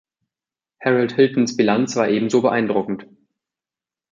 Harold Hiltons Bilanz war ebenso beeindruckend.